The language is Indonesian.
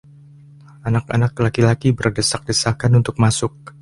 Anak-anak laki-laki berdesak-desakan untuk masuk.